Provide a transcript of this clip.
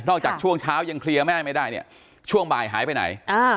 จากช่วงเช้ายังเคลียร์แม่ไม่ได้เนี่ยช่วงบ่ายหายไปไหน